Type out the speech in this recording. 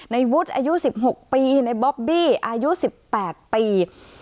ในวุฒิอายุ๑๖ปีในบ๊อบบี้อายุ๑๘ปี